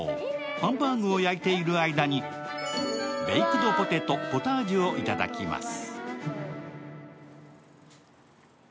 ハンバーグを焼いている間にベイクドポテト、ポタージュを頂きます。